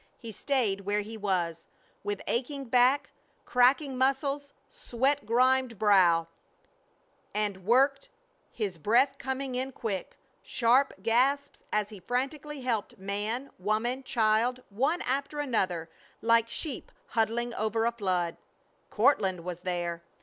He stayed where he was, with aching back, cracking muscles, sweat grimed brow, and worked, his breath coming in quick, sharp gasps as he frantically helped man, woman, child, one after another, like sheep huddling over a flood. Courtland was there.